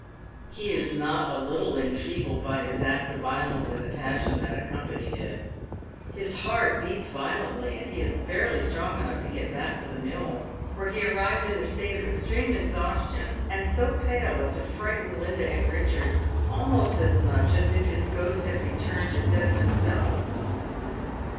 He is not a little enfeebled by his act of violence and the pas* fiion that accompanied it. His heart beats violently, and he is barely strong enough to get back to the mill, whore he arrives in a state of extreme exhaustion, and so pale as to fiighten Linda and Richard almost as much as if his ghost had returned instead of hijjBelf.